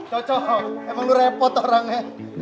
hah cocok emang lu repot orangnya